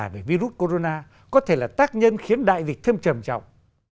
tin tức giả về virus corona có thể là tác nhân khiến đại dịch thêm trầm trọng